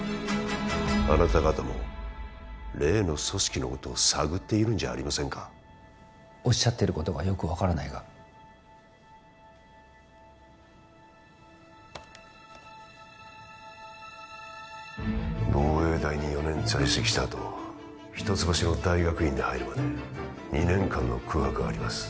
あなた方も例の組織のことを探っているんじゃありませんかおっしゃってることがよく分からないが防衛大に４年在籍したあと一橋の大学院に入るまで２年間の空白があります